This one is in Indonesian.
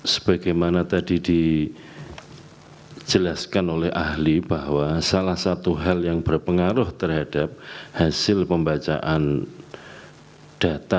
sebagaimana tadi dijelaskan oleh ahli bahwa salah satu hal yang berpengaruh terhadap hasil pembacaan data